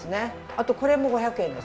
あとこれも５００円です。